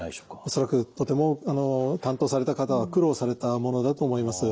恐らくとても担当された方は苦労されたものだと思います。